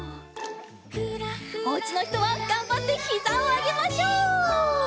おうちのひとはがんばってひざをあげましょう。